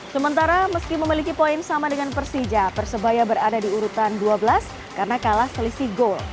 sementara meski memiliki poin sama dengan persija persebaya berada di urutan dua belas karena kalah selisih gol